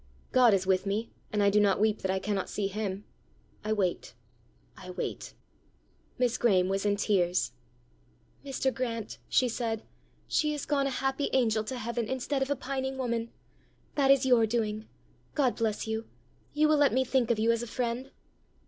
God is with me, and I do not weep that I cannot see him: I wait; I wait." Miss Graeme was in tears. "Mr. Grant," she said, "she is gone a happy angel to heaven instead of a pining woman! That is your doing! God bless you! You will let me think of you as a friend?"